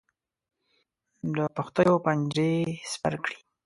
د پښتیو پنجرې سپر کړې.